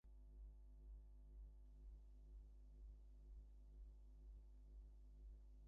Miombo woodland is the predominant vegetation on the mountain.